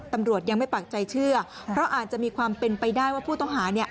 ตำรวจยังไม่ปากใจเชื่อเพราะอาจจะมีความเป็นไปได้ว่าผู้ต้องหาเนี่ย